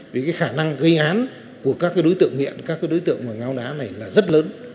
vì cái khả năng gây án của các cái đối tượng nghiện các cái đối tượng mà ngáo đá này là rất lớn